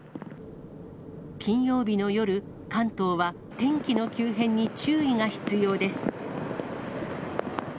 金曜日の夜、関東は天気の急変に注意が必要です。